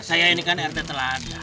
saya ini kan rt telah ada